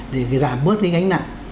để giảm bớt cái ngánh nặng